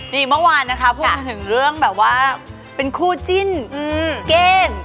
นี่เมื่อวานนะคะพูดมาถึงเรื่องแบบว่าเป็นคู่จิ้นเก้น